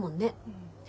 うん。